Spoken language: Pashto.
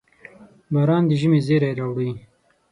• باران د ژمي زېری راوړي.